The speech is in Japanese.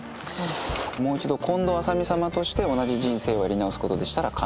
もう一度近藤麻美様として同じ人生をやり直すことでしたら可能。